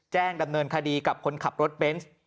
แจ้งดำเนินคดีกับคนขับรถเบนส์